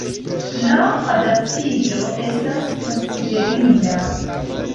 La adaptiĝo estas konsiderinda.